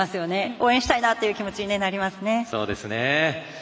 応援したいなという気持ちになりますね。